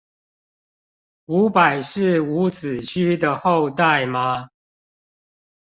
伍佰是伍子胥的後代嗎？